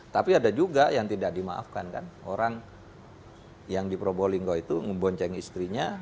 tapi ada juga yang tidak dimaafkan kan orang yang di probolinggo itu ngebonceng istrinya